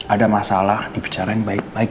ada masalah dibicarain baik baik